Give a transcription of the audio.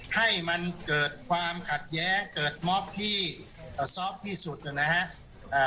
ให้มันเกิดความขัดแย้งเกิดมอบที่สอบที่สุดนะฮะ